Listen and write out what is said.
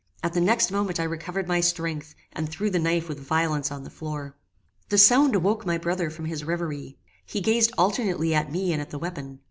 At the next moment I recovered my strength, and threw the knife with violence on the floor. The sound awoke my brother from his reverie. He gazed alternately at me and at the weapon.